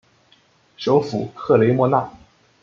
首府克雷莫纳。